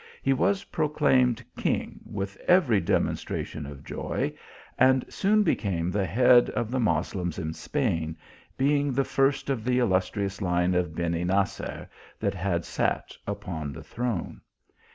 He was proclaimed king with every demon MA II A MA l> A REF ALAHMA I! 291 stration of joy, and soon became the head of the Moslems in Spain, being the first of the illustrious line of Beni Nasar that had sat upon the throne.